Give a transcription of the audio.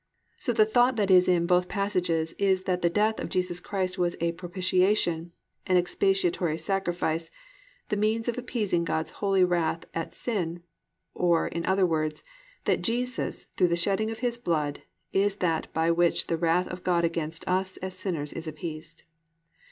So the thought that is in both passages is that the death of Jesus Christ was a "propitiation," "an expiatory sacrifice," the "means of appeasing" God's holy wrath at sin, or in other words, that Jesus, through the shedding of His blood, is that by which the wrath of God against us as sinners is appeased.